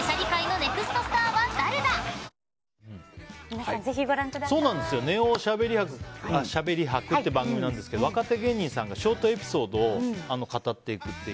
「ＮＥＯべしゃり博」っていう番組なんですけど若手芸人さんがショートエピソードを語っていくという。